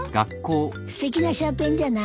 すてきなシャーペンじゃない。